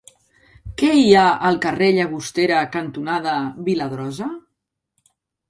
Què hi ha al carrer Llagostera cantonada Viladrosa?